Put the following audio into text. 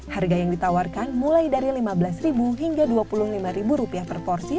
harga yang ditawarkan mulai dari lima belas hingga dua puluh lima rupiah per porsi